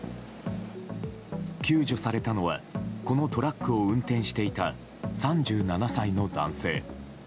救助されたのはこのトラックを運転していた３７歳の男性。